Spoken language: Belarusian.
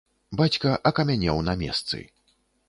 Бацька акамянеў на месцы.